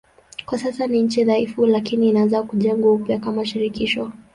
Kwa sasa ni nchi dhaifu lakini inaanza kujengwa upya kama shirikisho.